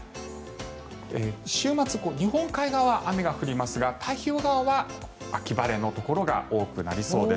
週末、日本海側は雨が降りますが太平洋側は秋晴れのところが多くなりそうです。